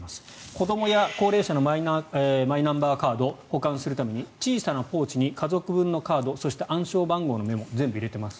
子どもや高齢者のマイナンバーカードを保管するために小さなポーチに家族分のカードそして暗証番号のメモ全部入れてます。